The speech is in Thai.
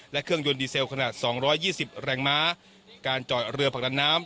และเครื่องยนต์ดีเซลขนาดสองร้อยยี่สิบแรงม้าการเจาะเรือผลักดันน้ำ